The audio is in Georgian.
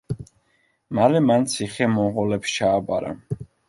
მალე მან ციხე მონღოლებს ჩააბარა.